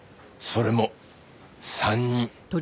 それも３人。